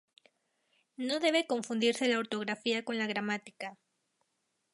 No debe confundirse la ortografía con la gramática.